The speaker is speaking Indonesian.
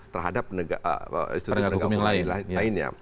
terhadap institusi penegak hukum lain lainnya